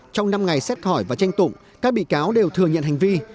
trong năm ngày xét hỏi và tranh tụng các bị cáo đều thừa nhận hành vi